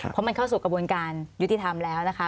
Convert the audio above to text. เพราะมันเข้าสู่กระบวนการยุติธรรมแล้วนะคะ